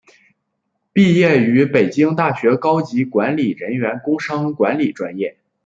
毕业于北京大学高级管理人员工商管理专业。